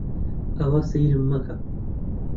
ئاوا سەیرم مەکە!